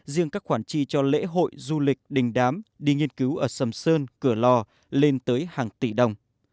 riêng các khoản chi cho lễ hội du lịch đình đám đi nghiên cứu ở sầm sơn cửa lò lên tới hàng tỷ đồng